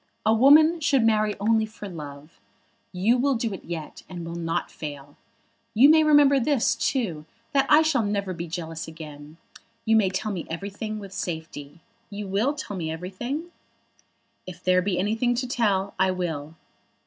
A woman should marry only for love. You will do it yet, and will not fail. You may remember this too, that I shall never be jealous again. You may tell me everything with safety. You will tell me everything?" "If there be anything to tell, I will."